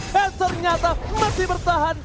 dan ternyata masih bertahan